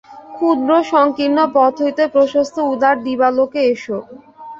ক্ষুদ্র সঙ্কীর্ণ পথ হইতে প্রশস্ত উদার দিবালোকে এস।